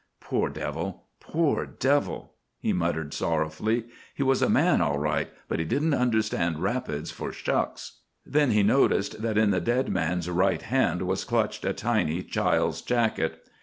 "Poor devil! Poor devil!" he muttered sorrowfully. "He was a man all right, but he didn't understand rapids for shucks!" Then he noticed that in the dead man's right hand was clutched a tiny child's jacket.